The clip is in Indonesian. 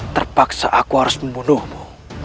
terpaksa aku harus membunuhmu